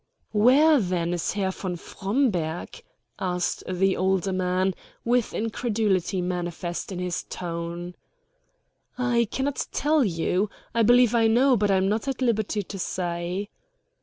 "Where, then, is Herr von Fromberg?" asked the older man, with incredulity manifest in his tone. "I cannot tell you. I believe I know, but I am not at liberty to say."